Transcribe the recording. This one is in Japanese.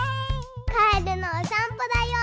カエルのおさんぽだよ！